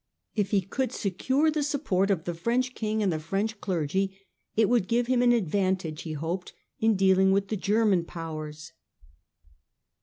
K he could secure the support of the French king and the French clergy, it would give him an advantage, he hoped, in dealing with the German powers.